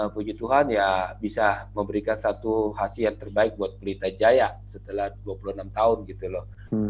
puji tuhan ya bisa memberikan satu hasil yang terbaik buat pelita jaya setelah dua puluh enam tahun gitu loh